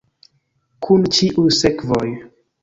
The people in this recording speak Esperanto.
Kun ĉiuj sekvoj.